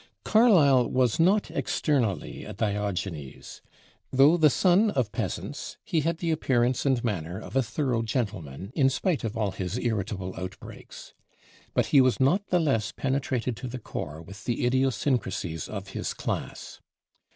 Carlyle was not externally a Diogenes. Though the son of peasants, he had the appearance and manner of a thorough gentleman in spite of all his irritable outbreaks. But he was not the less penetrated to the core with the idiosyncrasies of his class.